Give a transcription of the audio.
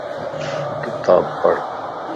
کتاب پڙھ